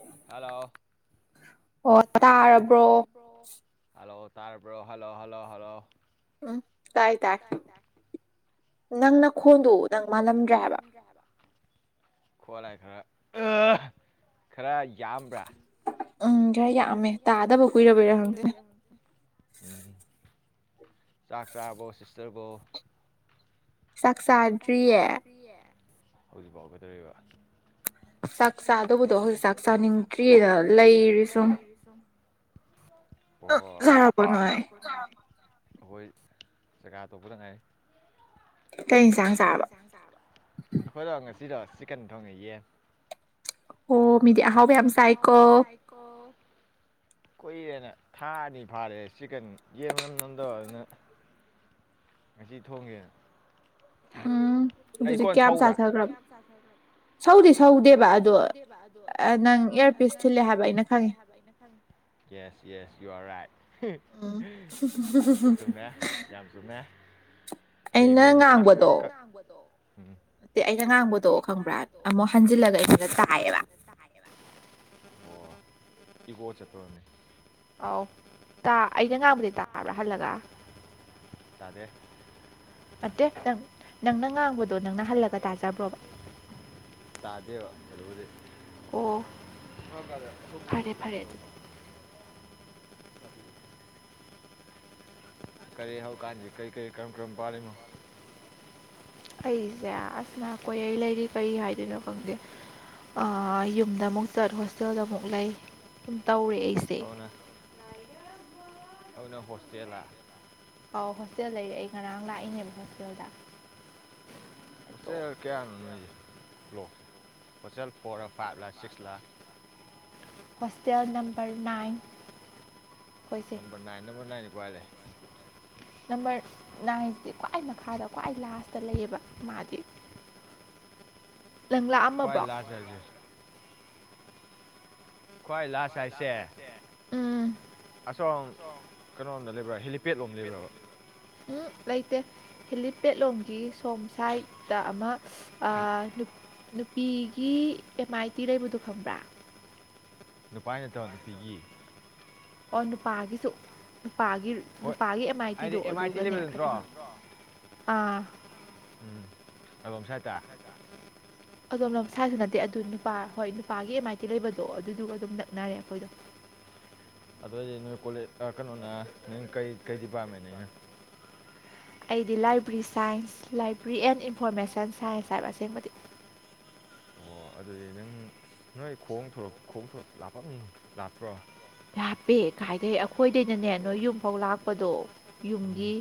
ꯍꯂꯣꯂꯣ ꯑꯣ ꯇꯥꯄ ꯇꯥꯔꯕ꯭ꯔꯣ ꯍꯜꯂꯣ ꯍꯜꯂꯣ ꯍꯜꯂꯣ ꯎꯝ ꯇꯥꯏ ꯇꯥꯏ ꯅꯪ ꯅꯪꯅ ꯅꯈꯣꯟꯗꯣ ꯈꯣꯟꯗꯨ ꯅꯪ ꯃꯥꯜꯂꯝꯗ꯭ꯔꯦ ꯍꯥꯏꯕ ꯃꯥꯜꯂꯝꯗ꯭ꯔꯦꯕ ꯈꯣꯠꯂꯥꯏ ꯈꯔ ꯈꯔ ꯌꯥꯝꯕ꯭ꯔꯥ ꯈꯔ ꯎꯝ ꯌꯥꯝꯃꯦ ꯌꯥꯒ ꯑꯃ ꯇꯥꯗꯕ ꯇꯥꯗꯕꯨ ꯀꯨꯏꯔꯕꯩꯔꯥ ꯀꯣꯏꯔꯣ ꯈꯪꯗꯦ ꯄꯦꯔꯗ ꯆꯥꯛ ꯆꯥꯕꯣ ꯁꯤꯁꯇꯔꯕꯨꯣ ꯆꯥꯛ ꯆꯥꯗ꯭ꯔꯤꯌꯦ ꯍꯧꯖꯤꯛꯐꯥꯎꯒꯗꯧꯔꯤꯕ ꯆꯥꯛ ꯆꯥꯗꯧꯕꯗꯣ ꯍꯧꯖꯤꯛ ꯆꯥꯛ ꯆꯥꯅꯤꯡꯗ꯭ꯔꯤꯗ ꯂꯩꯔꯤ ꯁꯨꯝ ꯍꯣ ꯍꯣ ꯥꯔꯕ ꯅꯣꯏ ꯑꯩꯈꯣꯏ ꯆꯀꯥ ꯇꯣꯄꯗ ꯉꯥꯏ ꯀꯩ ꯏꯟꯁꯥꯡ ꯆꯥꯔꯕ ꯑꯩꯈꯣꯏꯗꯣ ꯉꯁꯤꯗꯣ ꯆꯤꯛꯀꯟ ꯊꯣꯡꯉꯩꯌꯦꯦ ꯑꯣ ꯃꯤꯗꯤ ꯑꯣ ꯑꯍꯥꯎꯕ ꯌꯥꯝ ꯃꯤꯒꯤ ꯍꯕꯦ ꯑꯁ ꯆꯥꯏꯀꯣ ꯑꯥꯏꯀꯣ [inaudible] ꯀꯨꯏꯔꯦꯅ ꯊꯥ ꯑꯅꯤ ꯐꯥꯔꯦ ꯆꯤꯛꯀꯟ ꯌꯦꯟꯕ ꯅꯝ ꯅꯝꯗꯧ ꯑꯗꯨꯅ ꯉꯁꯤ ꯊꯣꯡꯉꯦꯅ ꯎꯝ ꯑꯗꯨꯖꯤ ꯀꯌꯥꯝ ꯁꯥꯊꯈ꯭ꯔꯕ ꯁꯧꯗꯤ ꯁꯧꯗꯦꯕ ꯑꯗꯣ ꯅꯪ ꯏꯌꯥꯔꯄꯤꯤꯁ ꯊꯤꯜꯂꯦ ꯍꯥꯏꯕ ꯑꯩꯅ ꯈꯪꯉꯦ yes yes you are right ꯎꯝ ꯆꯨꯝꯃꯦꯃꯦ ꯌꯥꯝꯝꯁꯨꯨꯝꯃꯦ ꯑꯩꯅ ꯂꯦꯡꯦꯡꯕꯅꯤ ꯕꯗꯣ ꯑ ꯑꯩꯅ ꯉꯥꯡꯕꯗꯣꯛꯑꯣ ꯈꯪꯕ꯭ꯔꯥ ꯑꯃꯨꯛ ꯍꯟꯖꯤꯜꯂꯒ ꯑꯩꯁꯤꯗ ꯇꯥꯏꯌꯦꯕ ꯎ ꯎ ꯏꯀꯣ ꯆꯠꯇꯅꯤ ꯑꯧ ꯇꯥ ꯑꯩꯅ ꯉꯥꯡꯕꯗꯤ ꯇꯥꯕ꯭ꯔꯥ ꯍꯜꯂꯒ ꯇꯥꯗꯦ ꯅꯠꯇꯦ ꯅꯪ ꯅꯪꯅ ꯉꯥꯡꯕꯗꯣ ꯅꯪꯅ ꯍꯜꯂꯒ ꯇꯥꯖꯕ꯭ꯔꯣꯕ ꯇꯥꯖꯦꯕ ꯑꯣ ꯍ ꯀ ꯑ ꯐꯔꯦ ꯐꯔꯦ ꯑꯗꯨꯗꯤ ꯀꯔꯤ ꯍꯧꯀꯥꯟꯁꯤ ꯀꯔꯤ ꯀꯔꯤ ꯀꯔꯝ ꯀꯔꯝꯕ ꯄꯥꯜꯂꯤꯅꯣ ꯑꯩꯁꯦ ꯑꯁꯅꯥ ꯀꯣꯏꯩ ꯂꯩꯔꯤ ꯀꯩ ꯍꯥꯏꯗꯣꯏꯅꯣ ꯈꯪꯗꯦ ꯌꯨꯝꯗ ꯑꯃꯨꯛ ꯆꯠ ꯍꯣꯁꯇꯦꯜꯗ ꯑꯃꯨꯛ ꯂꯩ ꯇꯧꯔꯦ ꯑꯩꯁꯦ ꯑꯩꯅ ꯍꯣꯁꯇꯦꯜꯂ ꯑꯥꯎ ꯍꯣꯁꯇꯦꯜ ꯂꯩ ꯑꯩ ꯉꯔꯥꯡ ꯂꯥꯛꯏꯅꯦꯕ ꯍꯣꯁꯇꯦꯜꯗ ꯑꯗꯣ ꯎꯆꯦꯔ ꯀꯌꯥꯅꯣ ꯅꯣꯏꯁꯦ block hotel for five lakh six lakh hostel number ꯅꯥꯏꯟꯁꯦ ꯋꯥꯂꯦ ꯅꯝꯕꯔ ꯅꯥꯏꯟꯁꯦ ꯈ꯭ꯋꯥꯏ ꯃꯈꯥꯗ ꯈ꯭ꯋꯥꯏ ꯂꯥꯁꯇ ꯂꯩꯌꯦꯕ ꯃꯥꯗꯤ [inaudible] ꯈꯋꯥꯏ ꯂꯥꯛꯑꯝꯃꯕ꯭ꯔꯣ ꯂꯥꯁꯔꯁꯦ ꯈ꯭ꯋꯥꯏ ꯂꯥꯁ ꯍꯥꯏꯁꯦ ꯎꯝ ꯑꯁꯣꯝ ꯀꯩꯅꯣꯣꯝꯗ ꯂꯩꯕ꯭ꯔꯥ ꯍꯦꯂꯤꯄꯦꯠꯂꯣꯝ ꯂꯩꯕ꯭ꯔꯕ ꯎ ꯂꯩꯇꯦ ꯍꯦꯂꯤ ꯄꯦꯠꯂꯣꯝꯒꯤ ꯁꯣꯝ ꯁꯥꯏꯠꯇ ꯑꯃ ꯅꯨꯄꯤꯒꯤ ꯑꯦꯝ ꯑꯥꯏ ꯇꯤ ꯂꯩꯕꯗꯨ ꯈꯪꯕ꯭ꯔꯥ꯫ ꯅꯨꯄꯥꯏ ꯅꯠꯇꯕ ꯅꯨꯄꯤꯒꯤ꯫ ꯑꯣ ꯅꯨꯄꯥꯒꯤꯁꯨ ꯅꯨꯄꯥꯒꯤ ꯍꯣꯏ ꯅꯨꯄꯥꯒꯤ ꯑꯦꯝ ꯑꯥꯏ ꯍꯥꯏꯗꯤ ꯇꯤꯗꯣ ꯑꯦꯝ ꯑꯥꯏ ꯇꯤ ꯑꯗꯨꯒꯅꯦ꯫ ꯂꯩꯕ ꯅꯠꯇ꯭ꯔꯣ ꯑꯥ ꯎꯝ ꯑꯗꯣꯝ ꯁꯥꯏꯠꯇꯥ꯫ ꯑꯗꯣꯝꯅ ꯁꯥꯁꯨ ꯅꯠ ꯇꯦ ꯑꯗꯨ ꯅꯨꯄꯥ ꯍꯣꯏ ꯅꯨꯄꯥꯒꯤ ꯑꯦꯝ ꯑꯥꯏ ꯇꯤ ꯂꯩꯕꯗꯣ ꯑꯗꯨꯗꯨꯒ ꯑꯗꯨꯝ ꯅꯛꯅꯔꯦ ꯑꯈꯣꯏꯗꯣ꯫ ꯑꯗꯨ ꯑꯣꯏꯗꯤ ꯅꯣꯏ ꯀꯣꯂꯦ ꯀꯩꯅꯣꯅ ꯅꯣꯏ ꯀꯩ ꯀꯩ ꯗꯤꯄꯥꯔꯠꯃꯦꯟꯅ ꯑꯩꯅ꯫ ꯑꯩꯗꯤ ꯂꯥꯏ [inaudible] ꯁꯥꯏꯟꯁ ꯍꯥꯏꯕ ꯑꯁꯦꯡꯕꯗꯤ ꯑꯣ ꯑꯗꯨꯗꯤ ꯅꯪ ꯑꯁ ꯅꯣꯏ ꯈꯣꯡ ꯊꯣꯔꯛ ꯈꯣꯡ ꯊꯣꯔꯛ ꯂꯥꯞꯄꯝꯅꯤꯅꯦ ꯂꯥꯞꯇ꯭ꯔꯣ꯫ ꯂꯥꯞꯄꯦ ꯀꯥꯏꯗꯩ ꯑꯩꯈꯣꯏꯗꯩꯅꯅꯦ ꯅꯣꯏ ꯌꯨꯝꯐꯥꯎ ꯂꯥꯛꯄꯗꯣ ꯌꯨꯝꯒꯤ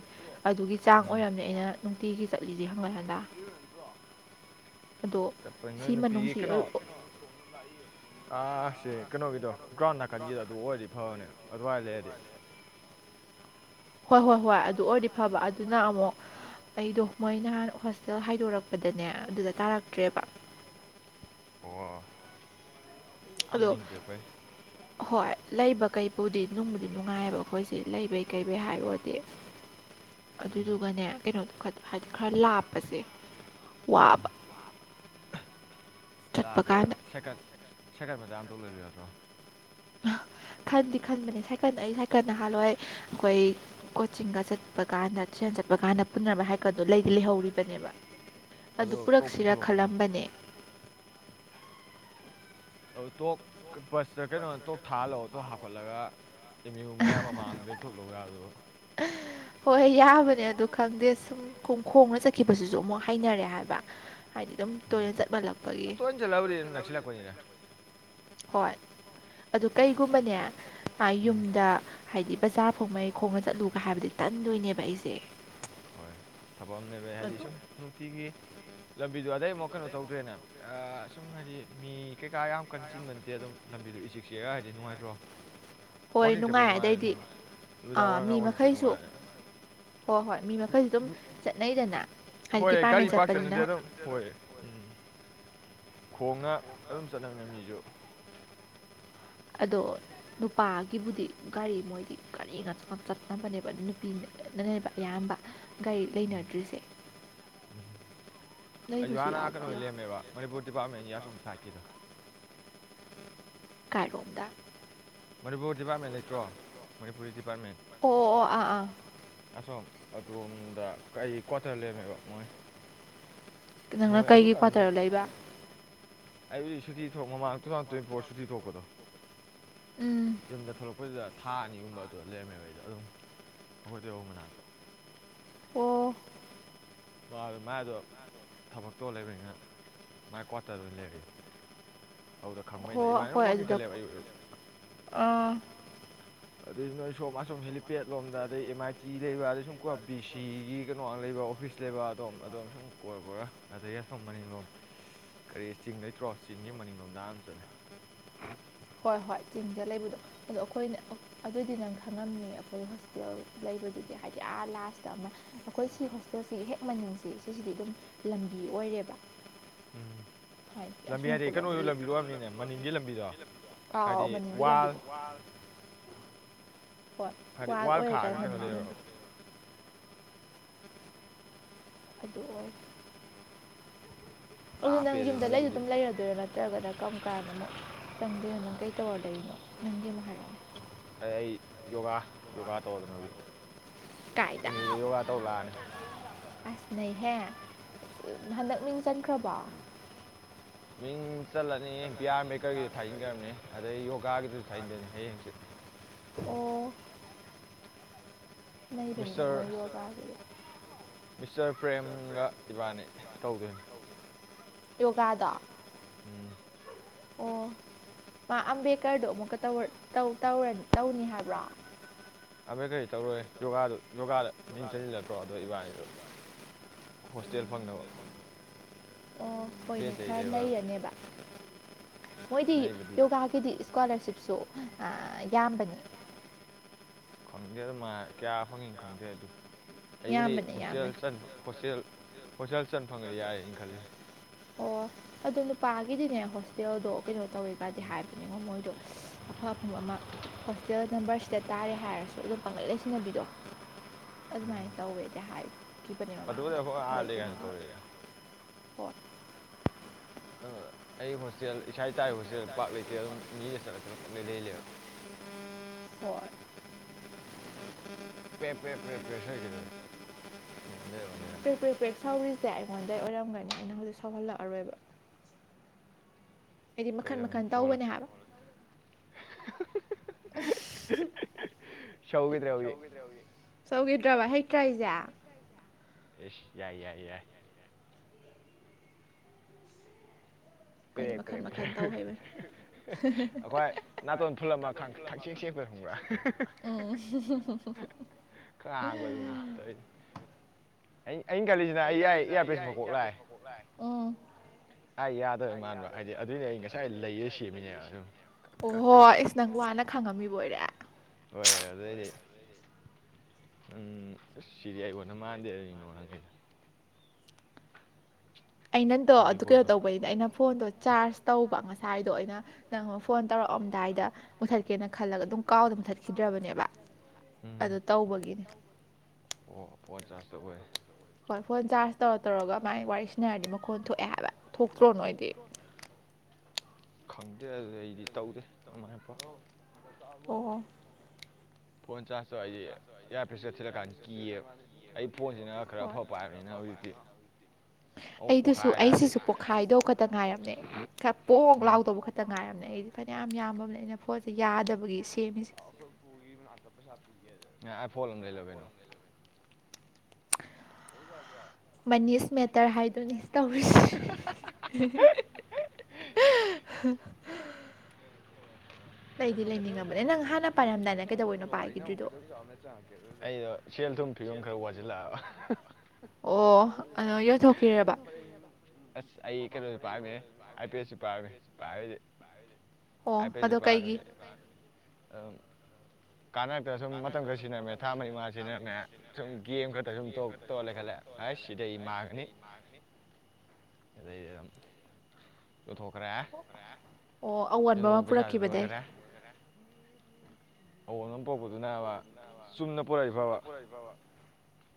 ꯑꯗꯨꯒꯤ ꯆꯥꯡ ꯑꯣꯏꯔꯝꯅꯤ꯫ ꯇꯨꯝꯗ꯭ꯔꯤꯕ ꯅꯠꯇ꯭ꯔꯣ꯫ ꯑꯗꯣ ꯆꯞꯄ ꯁꯤ ꯅꫭꯏ ꯅꯨꯄꯤꯒꯤ ꯃꯅꯨꯡꯁꯤ ꯀꯩꯅꯣ ꯑꯁꯦ ꯀꯩꯅꯣꯒꯤꯗꯣ ꯒ꯭ꯔꯥꯎꯟ ꯅꯥꯀꯟꯒꯤꯗꫭ ꯑꯗꯨ ꯑꯣꯏꯔꯗꯤ ꯐꯕꯅꯦ ꯑꯗꯨꯋꯥꯏ ꯂꯩꯔꯗꯤ꯫ ꯍꯣꯏ ꯍꯣꯏ ꯍꯣꯏ ꯑꯗꯨ ꯑꯣꯏꯔꯗꯤ ꯐꯕ ꯑꯗꯨꯅ ꯑꯃꯨꯛ ꯑꯩꯗꯣ ꯃꯣꯏ ꯅꯍꯥꯟ ꯍꯣꯁꯇꯦꯜ ꯍꯥꯏꯗꯣꯔꯛꯄꯗꯅꯦ ꯅꯦ ꯑꯗꯨꯗ ꯇꯥꯔꯛꯇ꯭ꯔꯦꯕ ꯑꯣ꯫ ꯑꯥ ꯑꯗꯣ ꯃꯅꯤꯡꯗꯤꯔꯛꯄꯩ ꯍꯣꯏ ꯂꯩꯕ ꯀꯩꯕꯨꯗꯤ ꯅꯨꯡꯕꯨꯗꯤ ꯅꯨꯡꯉꯥꯏꯑꯦꯕ ꯑꯩꯈꯣꯏꯁꯦ ꯂꯩꯕꯩ ꯀꯩꯕꯩ ꯍꯥꯏꯔꯨꯔꯗꯤ꯫ ꯎꯝ ꯑꯗꯨꯗꯨꯒꯅꯦ ꯀꯩꯅꯣ ꯈꯔ ꯂꯥꯞꯄꯁꯦ ꯋꯥꯕ ꯆꯠꯄ ꯂꯥꯕ ꯀꯥꯟꯗ ꯁꯦꯀꯟ ꯁꯦꯀꯟ ꯃꯆꯥ ꯑꯃ ꯊꫭꯛ ꯂꯩꯕ ꯌꯥꯗ꯭ꯔꯣ꯫ [unintelligible] ꯈꯟꯗꯤ ꯈꯟꯕꯅꯤ ꯁꯥꯏꯀꯜ ꯑꯩ ꯁꯥꯏꯀꯜ ꯅꯍꯥꯟꯜꯂꫭꯏ ꯑꯩꯈꯣꯏ ꯀꯣꯆꯤꯡꯒ ꯆꯠꯄ ꯀꯥꯟꯗ ꯇ꯭ꯔꯦꯟ ꯆꯠ ꯆꯠꯄ ꯀꯥꯟꯗ ꯄꯨꯟꯅꯅꯕ ꯍꯥꯏꯀꯠꯇꯣ ꯂꯩꯗꯤ ꯂꯩꯍꯧꯔꯤꯕꯅꯦꯕ ꯑꯗꯨ ꯑꯗꯣ ꯇꯣꯞ ꯄꯨꯔꯛꯁꯤꯔꯥ ꯄꯨꯈꯠꯂꯣ ꯀꯩꯅꯣ ꯈꯜꯂꯝꯕꯅꯦ꯫ [inaudible] ꯑꯗꫭ ꯇꫭꯛ ꯀ ꯕꯁꯇ ꯀꯩꯅꫭꯗ ꯇꫭꯛ ꯊꯥꯍꯜꯂꯛꯑꫭ꯫ ꯇꯣ ꯍꯥꯞꯍꯜꯂꯒ ꯃꯤꯌꯨ ꯃꯌꯥꯝ ꯃꯃꯥꯡꯗꯒꯩ ꯊꯣꯛꯂꯛ ꯌꯥꯗꯨꯕꯨ꯫ ꯍꯣꯏ ꯌꯥꯕꯅꯦ ꯑꯗꯨ ꯈꯪꯗꯦ ꯁꯨꯝ ꯈꯣꯡꯅ ꯆꯠꯈꯤꯕꯁꯤꯁꯨ ꯑꯃꯨꯛ ꯍꯩꯅꯔꯦ ꯍꯥꯏꯕ꯫ ꯑꯗꯨꯝ ꯎꯝ ꯇꯣꯏꯅ ꯆꯠ ꯍꯜꯂꯛꯄꯒꯤ ꯇꯣꯏꯅ ꯅꯛꯁꯤꯜꯂꯛꯄꯅꯤꯗ ꯍꯣꯏ꯫ ꯑꯗꯨ ꯀꯩꯒꯨꯝꯕꯅꯦ ꯑ ꯎꯝ ꯌꯨꯝꯗ ꯍꯥꯏꯗꯤ ꯕꯖꯥꯔ ꯐꯥꯎꯃꯩ ꯈꯣꯡꯅ ꯆꯠꯂꯨꯒ ꯍꯥꯏꯕꯗꯤ ꯇꯟꯗꯣꯏꯅꯦ꯫ ꯍꯣꯏ ꯊꯕꯛꯅꯦꯕ ꯍꯥꯏꯗꯤ ꯑꯗꯣ ꯁꯨꯝ ꯅꯨꯡꯇꯤꯒꯤ ꯂꯝ ꯕꯤꯗꯣ ꯑꯗꯩ ꯑꯃꯨꯛ ꯀꯩꯅꯣ ꯇꯧꯗ꯭ꯔꯦꯅꯦ ꯑꯥ ꯑꯁꯨꯝ ꯍꯥꯏꯗꯤ ꯃꯤ ꯀꯩꯀꯥ ꯌꯥꯝ ꯀꯟ ꯆꯤꯟꯕ ꯅꯠꯇꯦ ꯑꯗꯨꯝ ꯂꯝꯕꯤꯗꯨ ꯏꯆꯤꯛ ꯆꯤꯛꯑ ꯍꯥꯏꯗꯤ ꯅꯨꯡꯉꯥꯏꯇ꯭ꯔꯣ꯫ ꯍꯣꯏ ꯋꯥꯀꯤꯡ ꯆꯄꯒꯤ ꯅꯨꯡꯉꯥꯏ ꯅꯨꯡꯉꯥꯏꯕꯅꯦ ꯑꯗꯩꯗꯤ ꯅꯨꯃꯤꯗꯥꯡ ꯋꯥꯏꯔꯝ ꯋꯥꯀꯤꯡ ꯆꯠ ꯅꯨꯡꯉꯥꯏꯅꯤ꯫ ꯍꯣ ꯍꯣꯏ ꯃꯤ ꯃꯈꯩꯁꯨ ꯑꯗꯨꯝ ꯆꯠꯅꯩꯗꯅ꯫ ꯍꯥꯏꯗꯤ ꯍꯣꯏꯦ ꯗꯤꯄꯥꯔꯠꯃꯦꯟ ꯒꯥꯔꯤ ꯄꯥꯛ ꯆꯅꯗꯦ ꯆꯠꯄꯅꯤꯅ ꯑꯗꯨꯝ ꯍꯣꯏ ꯎꯝ꯫ ꯈꯣꯡꯅ ꯑꯗꯨꯝ ꯆꯠꯅꯕꯅꯦ ꯃꯤꯁꯨ꯫ ꯑꯗꯣ ꯅꯨꯄꯥꯒꯤꯕꯨꯗꯤ ꯒꯥꯔꯤ ꯃꯣꯏꯗꯤ ꯒꯥꯔꯤ ꯉꯛ ꯆꯠꯅꯕꯅꯦꯕ ꯑꯗꯨ ꯅꯨꯄꯤꯅꯦ꯫ ꯅꯦꯕ ꯑꯌꯥꯝꯕ ꯒꯥꯔꯤ ꯎꯝ ꯂꯩꯅꯗ꯭ꯔꯤꯁꯦ꯫ ꯎꯝ ꯑꯩꯁꯨ ꯂꯩꯕꯁꯨ ꯍꯥꯟꯅꯀꯩꯅ ꯌꯥꯎꯕꯗꯤ ꯌꯥꯎ ꯂꯩꯔꯝꯃꯦꯕ ꯃꯅꯤꯄꯨꯔ ꯗꯤꯄꯥꯔꯠꯃꯦꯟꯒꯤ ꯑꯁꫭꯝ ꯁꯥꯏꯗꯀꯤꯗ꯫ ꯀꯥꯏꯔꯣꯝꯗ꯫ ꯃꯅꯤꯄꯨꯔ ꯗꯤꯄꯥꯔꯠꯃꯦꯟ ꯂꯩꯇ꯭ꯔꯣ ꯃꯅꯤꯄꯨꯔꯤ ꯗꯤꯄꯥꯔꯠꯃꯦꯟ ꯑꯣ ꯑꯣ ꯑꯥ ꯑꯥ ꯑꯁꯣꯝ꯫ ꯑꯗꯣꯝꯗ ꯀꯔꯤ ꯀ꯭ꯋꯥꯇꯔ ꯂꯩꯔꯝꯃꯦꯕ ꯃꯣꯏ꯫ ꯅꯪꯅ ꯅꯣꯏ ꯑꯗꯨ ꯀꯩꯒꯤ ꯀꯅꫭ ꯀ꯭ꯋꯥꯇꯔ ꯂꯩꯕ ꯑꯩꯕꯨꯗꯤ ꯁꯨꯇꯤ ꯊꫭꯛ ꯃꯃꯥꯡ ꯇꯨ ꯊꯥꯎꯖꯟ ꯇ꯭ꯋꯦꯟꯇꯤ ꯐꯣꯔ ꯁꯨꯇꯤ ꯊꯣꯛꯄꯗꯣ꯫ ꯎꯝ ꯌꯨꯝꯗ ꯊꯣꯛꯂꯛꯄꯗꯨꯗ ꯊꯥ ꯑꯅꯤꯒꯨꯝꯕ ꯑꯗꯨ ꯂꯩꯔꯝꯃꯦꯈꯩꯗ ꯑꯗꯨꯝ ꯑꯩꯈꯣꯏ ꯇꯣꯏꯕꯧ ꯃꯅꯥꯛꯇ ꯑꯣ ꯃꯥꯏꯗꯣ ꯊꯕꯛꯇꯣ ꯂꯩꯕꯅꯤꯅ ꯃꯥ ꯀ꯭ꯋꯥꯇꯔ ꯑꯣꯏꯅ ꯂꯩꯒꯦ ꯑꯗꯨꯧꯗ ꯈꯪꯕ ꯍꯣ ꯑꯩꯅ ꯏꯕꯥꯅꯤꯅ ꯍꯣꯏ ꯑꯗꯨꯝ ꯋꯥꯛꯀꯤꯡ ꯑꯗꯨꯗ ꯆꯠꯂꯦꯕ ꯑꯌꯨ ꯑꯌꯨꯛ ꯑꯥ ꯑꯗꯨꯏ ꯅꯣꯏ ꯁꯣꯝ ꯑꯁꯣꯝ ꯍꯦꯂꯤꯄꯦꯗ ꯂꯣꯝꯗ ꯑꯗꯩ ꯑꯦꯝ ꯑꯥꯏ ꯇꯤ ꯂꯩꯕ ꯑꯗꯩ ꯁꯨꯝ ꯀꯣ ꯕꯤ ꯁꯤꯒꯤ ꯀꯩꯅꯣꯒ ꯂꯩꯕ ꯑꯣꯐꯤꯁ ꯂꯩꯕ ꯑꯗꯨꯗꯣꯝ ꯑꯗꯣꯝ ꯁꯨꯝ ꯀꯣꯏꯔ ꯀꯣꯏꯔ ꯑꯗꯩ ꯌꯥꯁꯪ ꯃꯅꯤꯡꯂꯣꯝ ꯀꯔꯤ ꯆꯤꯡ ꯂꯩꯇ꯭ꯔꯣ ꯆꯤꯡꯒꯤ ꯃꯅꯤꯡ ꯂꯣꯝꯗꯥ ꯑꯃ ꯆꯠꯂꯦ ꯍꯣꯏ ꯍꯣꯏ ꯆꯤꯡꯗ ꯂꯩꯕꯗꯣ ꯑꯗꯣ ꯑꯩꯈꯣꯏꯅ ꯑꯗꯨꯏꯗꯤ ꯅꯪ ꯈꯪꯉꯝꯅꯤꯉ ꯑꯩꯈꯣꯏ ꯍꯣꯁꯄꯤꯇꯥꯜ ꯂꯩ ꯕꯗꯨꯒꯤ ꯍꯥꯏꯗꯤ ꯑꯥ ꯂꯥꯁꯇ ꯑꯃ ꯑꯩꯈꯣꯏ ꯁꯤ ꯍꯣꯁꯇꯦꯜꯁꯤꯒꯤ ꯍꯦꯛ ꯃꯅꯤꯡꯁꯦ ꯁꯤꯁꯤꯗꯤ ꯑꯗꯨꯝ ꯂꯝꯕꯤ ꯑꯣꯏ ꯑꯣꯏꯔꯦꯕ ꯎꯝ ꯂꯝꯕꯤ ꯍꯥꯏꯀꯣ ꯍꯥꯏꯗꯤ ꯀꯩꯅꯣꯒꯤ ꯂꯝꯕꯤꯗꯣ ꯑꯣꯏꯔꯝꯅꯤꯅꯦ ꯃꯅꯤꯡꯒꯤ ꯂꯝꯕꯤꯗꯣ ꯑ ꯍꯥꯏꯗꯤ ꯃꯅꯤ ꯂꯝꯕꯤ ꯋꯥꯜ [inaudible] ꯍꯣꯏ ꯍꯥꯏꯗꯤ ꯋꯥ ꯋꯥꯜ ꯑꯣꯏꯔꯦ ꯀꯥꯏ ꯈꯥꯛꯑꯒ ꯀꯩꯅꯣ ꯂꯩꯔꯕ ꯑꯗꯨ ꯑꯣꯏ ꯑꯗꯨꯗ ꯅꯪ ꯂꯥꯞꯄꯦꯗ ꯌꯨꯝꯗ ꯂꯩꯗꯨ ꯅꯣꯏꯗꯨꯗꯤ ꯑꯗꯨꯝ ꯂꯩꯔꯗꯣꯏꯔꯣ ꯅꯠꯇ꯭ꯔꯒꯅ ꯀꯔꯝ ꯀꯥꯟꯗ ꯑꯃꯨꯛ ꯆꯪꯗꯣꯏꯅꯣ ꯅꯪ ꯀꯩ ꯛꯇ ꯑꯣꯔꯗꯔꯤꯅꯣ ꯅꯪꯒꯤ ꯑꯃꯨꯛ ꯍꯥꯏꯔꯛꯑꯣꯅꯦ ꯑꯩ ꯌꯣꯒꯥ ꯌꯣꯒꯥ ꯇꯧꯗꯅ ꯀꯥꯏꯗ ꯌꯣꯒꯥ ꯇꯧꯒꯅꯦ ꯑꯁ ꯅꯍꯦ ꯍꯟꯗꯛ ꯃꯤꯡ ꯆꯟꯈ꯭ꯔꯕꯣ ꯃꯤ ꯆꯠꯂꯅꯤ ꯕꯤ ꯑꯥꯔ ꯕꯦꯀꯔꯒꯤꯗ ꯊꯥꯖꯤꯟꯈ꯭ꯔꯕꯅꯤ ꯑꯗꯩ ꯌꯣꯒꯥꯒꯤꯗꯨꯁꯨ ꯊꯥꯖꯤꯟꯗꯣꯏꯅꯤ ꯍꯌꯦꯡꯆ ꯑꯣ ꯃꯍꯕꯅꯤ ꯍꯥꯏ ꯃꯤꯁꯇꯔ ꯃꯣꯏ ꯌꯒꯥꯒ ꯃꯤꯁꯇꯔ ꯄ꯭ꯔꯦꯝꯒ ꯏꯕꯥꯅꯤ ꯇꯧꯗꯣꯏꯅꯤ ꯌꯣꯒꯥꯗ ꯎꯝ ꯑꯣ ꯃꯥ ꯑꯝꯕꯦꯗꯀꯔꯗꯨꯣ ꯑꯃꯨꯛꯀ ꯇꯧꯅꯤ ꯍꯥꯏꯕ꯭ꯔꯥ ꯑꯚꯩ ꯀꯔꯤ ꯇꯧꯔꯣꯏ ꯌꯣꯒꯥꯗꯨ ꯌꯣꯒꯥꯗ ꯃꯤꯡ ꯆꯁꯤꯜꯂꯗ꯭ꯔꯣ ꯑꯗꯣ ꯏꯕꯥꯅꯤꯗꯨ ꯍꯣꯁꯇꯦꯜ ꯐꯪꯅꯕ ꯑꯣ ꯍꯣꯏꯅꯦ ꯔꯦꯟꯇꯩ ꯈꯔ ꯂꯩꯔꯣꯏꯕ ꯂꯩꯔꯅꯦꯕ ꯃꯣꯏꯗꯤ ꯅꯩꯕꯗꯤ ꯌꯣꯒꯥꯒꯤꯗꯤ ꯏꯁꯀꯣꯂꯥꯔꯁꯤꯞꯁꯨ ꯌꯥꯝꯕꯅꯤ [unintelligible] ꯈꯪꯗꯦ ꯑꯗꯨꯃ ꯀꯌꯥ ꯐꯪꯏꯤ ꯈꯪꯗꯦ ꯑꯗꯨ ꯑꯩꯕꯨꯗꯤ ꯌꯥꯝꯕꯅꯦ ꯌꯥꯝꯕꯅꯦ ꯍꯣꯁꯇꯦꯜ ꯍꯣꯁꯇꯦꯜ ꯍꯣꯁꯇꯦꯜ ꯆꯟ ꯐꯪꯉꯅꯤ ꯌꯥꯏꯩꯅ ꯈꯜꯂꯤ ꯑꯣ ꯑꯗꯣ ꯅꯨꯄꯥꯒꯤꯗꯤꯅꯦ ꯍꯣꯁꯇꯦꯜꯗꯣ ꯀꯩꯅꯣ ꯇꯧꯋ ꯀꯗꯤ ꯍꯥꯏꯕꯅꯤꯉꯣ ꯃꯣꯏꯗꯣ ꯑꯐ ꯑꯐꯪꯕ ꯑꯃ ꯍꯣꯁꯇꯦꯜ ꯅꯝꯕꯔꯁꯤꯗ ꯇꯥꯔꯦ ꯍꯥꯏꯔꯁꯨ ꯑꯗꯨ ꯄꯥꯡꯒꯠ ꯂꯩꯁꯤꯟꯅꯕꯤꯗꯣ ꯑꯗꯨꯃꯥꯏꯅ ꯇꯧꯋꯦꯗꯤ ꯍꯥꯏꯈꯤꯕꯅꯤ ꯑꯗꯨꯕꯨꯗꯤ ꯃꯃꯥꯡꯗ ꯑꯩꯈꯣꯏ ꯑꯥ ꯂꯩ ꯑꯩꯈꯣꯏꯒꯤ ꯃ ꯀꯥꯏꯅ ꯇꯧꯔꯛꯏꯗ ꯑꯣꯠ ꯀꯩꯅꯣ ꯑꯩ ꯍꯣꯁꯇꯦꯜ ꯏꯁꯥ ꯏ ꯇꯥꯕ ꯍꯣꯁꯇꯦꯜ ꯄꯥꯛ ꯂꯩꯇꯦ ꯑꯗꯨꯝ ꯃꯤꯗ ꯆꯠꯂ ꯆꯠꯂꯄ ꯂꯩꯂꯦꯕ [unintelligible] ꯔ ꯄꯦ ꯄꯦ ꯄꯦ ꯄꯦ ꯀ ꯄꯦꯛ ꯄꯦꯛ ꯄꯦꯛ ꯁꯧꯔꯤꯁꯦ ꯑꯩꯉꯣꯟꯗꯩ ꯑꯣꯏꯔꯝꯒꯅꯤ ꯑꯩꯅ ꯍꯧꯖꯤꯛ ꯁꯧꯍꯜꯂꯛꯑꯔꯣꯏꯕ ꯍꯥꯏꯗꯤ ꯃꯈꯟ ꯀꯩꯗꯧꯅꯤ ꯃꯈꯟ ꯇꯧꯕꯅꯦ ꯁꯣꯛꯍꯜꯂꯛꯇꯦ ꯍꯥꯏꯕ [unintelligible] [unintelligible] ꯁꯧꯈꯤꯗ꯭ꯔꯦ ꯍꯧꯖꯤꯛ ꯗ ꯁꯒꯗ꯭ꯔꯋꯥ ꯍꯦꯛ ꯌꯥꯏ ꯌꯥꯏ ꯌꯥꯏ ꯍꯥꯏꯗꯤ ꯄ꯭ꯔꯦ ꯄ꯭ꯔꯦ ꯃꯈꯟ ꯄ꯭ꯔꯦ ꯃꯈꯟ ꯇꯧꯍꯕ ꯑꯩꯈꯣꯏ ꯅꯥꯇꯣꯟ ꯐꯨꯜ ꯑꯃ ꯈꯪꯆꯦꯛ ꯆꯦꯛꯄ ꯈꯪꯕ꯭ꯔꯥ ꯑ ꯁ ꯈꯔ ꯍꯥꯡꯒꯗꯨꯅꯤ ꯑꯩ [unintelligible] ꯑꯩꯅ ꯒꯥꯜꯂꯤꯁꯤꯅ ꯑꯩ ꯌꯥ ꯏꯌꯥꯔꯄꯤꯁ ꯃꯀꯣꯛ ꯂꯥꯛꯑꯦ ꯑꯩ ꯌꯥꯗꯕꯩ ꯌꯥ ꯃꯥꯟꯕ ꯍꯥꯏꯗꯤ ꯑꯗꯨꯏꯅꯦ ꯑꯩ ꯉꯁꯥꯏ ꯂꯩꯔ ꯁꯦꯝꯃꯤꯅꯦꯕ ꯁꯨꯝ ꯀꯛ ꯀꯛ ꯀꯛ ꯑꯣꯍꯣ ꯃꯥꯅ ꯈꯪꯉꯝꯃꯤꯕꯣꯏꯔꯦ ꯍꯣꯏ ꯑꯗꯨꯗꯗꯤ [unintelligible] ꯎꯝꯁ ꯁꯤꯔꯤ ꯑꯩꯏ ꯑꯣꯣꯟꯅ ꯃꯥꯟꯗꯦ ꯑꯗꯨ ꯅꯣ ꯅꯈꯩꯗ ꯑꯩ ꯅꯪꯗꯣ ꯐ꯭ꯔꯦꯡꯀꯤ ꯑꯗꯨ ꯀꯩꯅꯣ ꯀꯣꯜꯗꯣ ꯇꯧꯕꯩꯅ ꯑꯩꯅ ꯐꯣꯟꯗꯣ ꯆꯥꯔꯖ ꯇꯧꯕ ꯉꯁꯥꯏꯗꯣ ꯑꯩꯅ ꯅꯪ ꯐꯣꯟ ꯇꯧꯔꯛꯑꯝꯗ ꯑꯗꯨꯗꯥꯏꯗ ꯃꯨꯠꯊꯠꯀꯦꯅ ꯈꯜꯂꯒ ꯑꯗꯨꯝ ꯀꯥꯎꯗ ꯃꯨꯠꯊꯠꯈꯤꯗ꯭ꯔꯕꯅꯦꯕ ꯑꯗꯨ ꯎꯝ ꯇꯧꯕꯒꯤꯅꯦ [unintelligible] ꯑꯣ ꯄꯣꯟ ꯆꯥꯔꯖꯇ ꯑꯣꯏ ꯍꯣꯏ ꯐꯣꯟ ꯆꯥꯔꯖ ꯇꯧꯔ ꯇꯧꯔꯒ ꯃꯥꯏ ꯋꯥꯔꯤ ꯁꯤꯅ ꯍꯥꯏꯔꯗꯤ ꯃꯈꯣꯟ ꯊꯣꯛꯑꯦ ꯍꯥꯏꯕ ꯊꯣꯛꯇ꯭ꯔꯣ ꯅꯣꯏꯗꯤ ꯈꯪꯗꯦ ꯑꯗꯨꯗ ꯑꯩꯗꯤ ꯇꯧꯗꯦ ꯑꯗꯨꯃꯥꯏꯅ ꯄ ꯑꯣ ꯆ ꯑ ꯑꯩꯗꯤ ꯏꯌꯥꯔꯄꯦꯁ ꯆꯠ ꯊꯤꯜꯂꯀꯥꯟꯗ ꯀꯤꯌꯦꯕ ꯑꯩ ꯐꯣꯟꯁꯤꯅ ꯈꯔ ꯑꯐꯕ ꯄꯥꯏꯕꯅꯤꯅ ꯍꯧꯖꯤꯛꯇꯤ ꯎ ꯑꯣ ꯄꯣꯈꯥ ꯁ ꯑꯩꯁꯤꯁꯨ ꯄꯣꯛꯈꯥꯏꯗꯧ ꯈꯛꯇ ꯉꯥꯏꯔꯝꯃꯦ ꯈ ꯄꯣꯛꯣꯛ ꯎꯝ ꯂꯥꯎꯗꯧꯕ ꯈꯛꯇ ꯉꯥꯏꯔꯝꯃꯦ ꯑꯩꯗꯤ ꯐꯅꯌꯥꯝ ꯌꯥꯝ ꯑꯩꯅ ꯐꯣꯟꯁꯦ ꯌꯥꯗꯕꯒꯤ ꯁꯦꯝꯃꯤꯁꯦ ꯑꯩ ꯐꯣꯟ ꯑꯃ ꯂꯩ ꯂꯣ ꯀꯩꯅꯣ ꯀꯣꯗꯕ꯭ꯔꯣ ꯃꯅꯤꯁ ꯁ ꯃꯦꯇꯔ ꯍꯥꯏꯗꯨꯅꯤ ꯃꯦꯇꯔ ꯍꯥꯏ ꯇꯧꯔꯤꯁꯦ [inaudible] ꯇ ꯄꯥꯏꯈꯤꯗ꯭ꯔꯤꯗꯣ ꯁꯦꯜ ꯊꯨꯝꯤꯕꯝ ꯀꯪꯒꯔꯥꯎꯥ ꯖꯤꯂꯥ ꯑꯣ ꯑꯗ ꯌꯧꯊꯣꯛꯈꯤꯔꯕ ꯑꯁ ꯑꯩ ꯀꯩꯅꯣꯁꯨ ꯄꯥꯝꯃꯦ ꯑꯥꯏ ꯄꯤ ꯑꯦꯁꯁꯨ ꯄꯥꯕꯝꯃꯦ ꯄꯥꯏꯕꯁ ꯍꯥꯏ ꯑꯣ ꯄꯦ ꯑꯗꯣ ꯆꯄꯦ ꯀꯩꯒꯤ ꯑ ꯀꯥꯟꯅꯔꯛꯇ ꯁꯨꯝ ꯃꯇꯝ ꯈꯔ ꯁꯤꯖꯤꯟꯅꯔꯝꯃꯦ ꯊꯥ ꯃꯔꯤ ꯃꯉꯥ ꯁꯤꯖꯤꯟꯅꯔꯝꯃꯦ ꯁꯨꯝ ꯒꯦꯝ ꯈꯛꯇ ꯁꯨꯝ ꯇꯣꯛ ꯇꯣꯂꯦ ꯈꯜꯂꯦ ꯑꯩ ꯁꯤꯗꯩ ꯃꯥꯒꯅꯤ ꯗꯩ ꯆꯣꯊꯣꯛ ꯀ꯭ꯔꯦ ꯑꯣ ꯑꯑꯣꯟꯕ ꯑꯃ ꯄꯨꯔꯛꯈꯤꯕꯗ ꯑꯑꯣꯟꯕ ꯑꯃ ꯄꯣꯛꯛꯄꯗꯨꯅ ꯆꯨꯝꯅ ꯄꯨꯣꯔꯛꯏꯐꯕ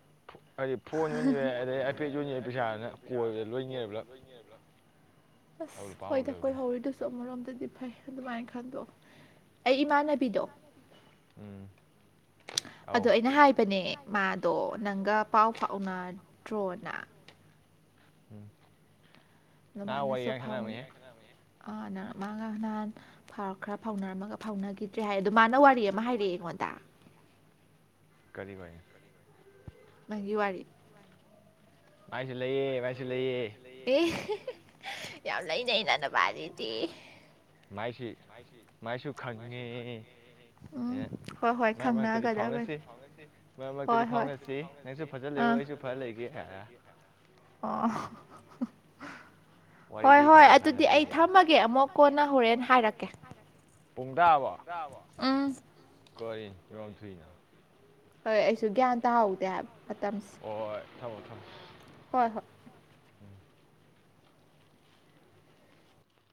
[inaudible] ꯍꯥꯏꯗꯤ ꯐꯣꯟ ꯌꯣꯟꯁꯤꯔꯦ ꯑꯗꯩ ꯑꯐꯦꯠ ꯌꯣꯟꯁꯤꯔꯦ ꯄꯩꯁꯥꯅ ꯀꯣꯏꯕꯗ ꯂꯣꯏꯅꯤꯔ ꯄꯨꯂꯞ ꯑꯧ ꯑꯁ ꯂꯨꯄꯥ ꯍꯣꯏ ꯑꯃꯐꯥꯎ ꯊꯣꯏ ꯂꯩꯍꯧꯗ꯭ꯔꯦ ꯍꯧꯔꯗꯨ ꯁꯣ ꯃꯔꯝꯗ ꯐꯩ ꯑꯗꯨꯃꯥꯏꯅ ꯈꯟꯗꯣꯛꯑꯣ ꯑꯩ ꯏꯃꯥꯅꯦ ꯎꯝ [inaudible] ꯑꯧ ꯑꯗꯣ ꯑꯩꯅ ꯍꯥꯏꯕꯅꯦ ꯃꯥꯗꯣ ꯅꯪꯒ ꯄꯥꯎ ꯐꯥꯎꯅꯗ꯭ꯔꯣꯅ ꯎꯝ ꯅꯍꯥꯟ ꯋꯥꯔꯤꯒ ꯃꯥꯅꯁꯣꯐ ꯁꯥꯟꯅꯔꯝꯃꯤꯍꯦ ꯑ ꯃꯥꯒ ꯅꯍꯥꯟ ꯈꯔ ꯐꯥꯎꯅꯔꯝꯃꯒ ꯐꯥꯎꯅꯈꯤꯗ ꯦ ꯍꯥꯏ ꯑꯗ ꯃꯥꯅ ꯋꯥꯔꯤ ꯑꯃ ꯍꯥꯏꯔꯛꯑꯦ ꯑꯩꯉꯣꯟꯗ ꯀꯔꯤ ꯋꯥꯔꯤꯅꯣ ꯃꯥꯒꯤ ꯋꯥꯔꯤ ꯃꯥꯏꯁꯤ ꯂꯩꯌꯦꯦ ꯚꯥꯏꯁꯤ ꯂꯩꯌꯦ ꯑꯦ ꯌꯥꯝ ꯂꯩꯅ ꯏꯩꯅꯅ ꯄꯥꯔꯤꯗꯤ ꯃꯁꯤ ꯃꯥꯏꯁꯨ ꯈꯪꯉꯦ ꯎꯝ ꯑꯩꯅ ꯍꯣꯏ ꯍꯣꯏ ꯃꯥꯏ ꯃꯔꯛꯇꯗꯤ ꯈꯪꯅꯒꯗꯕꯅꯤ ꯐꯥꯎꯉꯁꯤ ꯃꯔꯛ ꯃꯔꯛꯇꯗꯤ ꯍꯣꯏ ꯍꯣꯏ ꯐꯥꯎꯅꯁꯤ ꯅꯪꯁꯨ ꯐꯖ ꯂꯩꯌ ꯑꯩꯁꯨ ꯐ ꯂꯩꯒꯦꯔ ꯑ ꯋꯥꯔꯤꯗꯤ ꯍꯣꯏ ꯈꯔ ꯑꯗꯨꯗꯤ ꯁꯥꯟꯅꯁꯤ ꯑꯩ ꯊꯝꯃꯒꯦ ꯑꯃꯨꯛ ꯀꯣꯟꯅ ꯄꯨꯡ ꯇꯥꯔꯕꯣ ꯑꯥ ꯀꯔꯤ ꯏꯝ ꯊꯅ ꯍꯣꯏ ꯑꯩꯁꯨ ꯒ꯭ꯌꯥꯟ ꯇꯥꯍꯥꯎꯗꯦ ꯍꯥꯏꯕ ꯃꯇꯝ ꯊꯥꯎ ꯊꯥꯎ ꯍꯣꯏ ꯍꯣꯏ ꯎꯝ